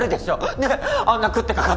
ねえあんなくってかかっといて。